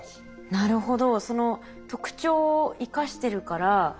なるほど。